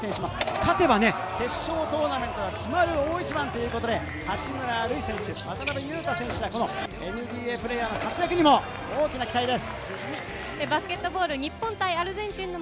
勝てば決勝トーナメントが決まる大一番ということで、八村塁選手、渡邊雄太選手がＮＢＡプレーヤーの活躍にも大きな期待です。